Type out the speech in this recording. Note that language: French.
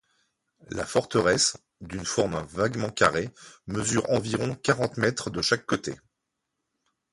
La forteresse, d'une forme vaguement carrée, mesure environ quarante mètres de chaque côté.